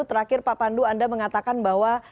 terakhir pak pandu anda mengatakan bahwa